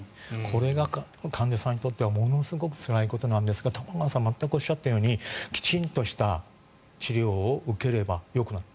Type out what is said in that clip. これが患者さんにとってはものすごくつらいことなんですが玉川さんがおっしゃったようにきちんとした治療を受ければよくなる。